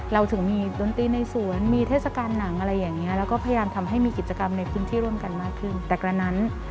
เราถึงมีดนตรีในสวนมีเทศกาลหนังอะไรอย่างเงี้ยแล้วก็พยายามทำให้มีกิจกรรมในพื้นที่ร่วมกันมากขึ้นแต่กระนั้น